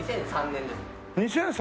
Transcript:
２００３年？